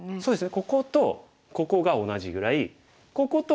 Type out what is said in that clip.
こことここが同じぐらい。